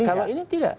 kalau ini tidak